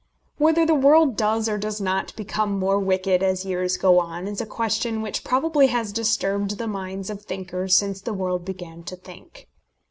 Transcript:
Whether the world does or does not become more wicked as years go on, is a question which probably has disturbed the minds of thinkers since the world began to think.